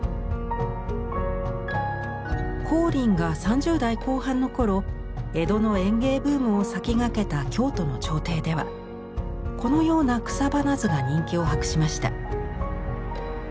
光琳が３０代後半の頃江戸の園芸ブームを先駆けた京都の朝廷ではこのような草花図が人気を博しました。